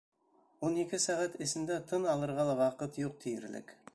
Ун ике сәғәт эсендә тын алырға ла ваҡыт юҡ тиерлек.